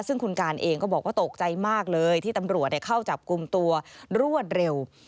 ซึ่งคุณการเองก็บอกว่าตกใจมากเลยที่ตำรวจเข้าจับกลุ่มตัวรวดเร็ว